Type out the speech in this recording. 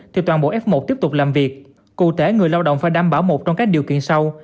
thì toàn bộ f một tiếp tục làm việc cụ thể người lao động phải đảm bảo một trong các điều kiện sau